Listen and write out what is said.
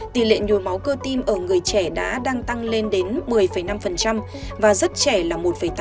tỷ lệ nhồi máu cơ tim ở người trẻ đã đang tăng lên đến một mươi năm và rất trẻ là một tám